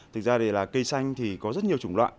thực ra thì là cây xanh thì có rất nhiều chủng loại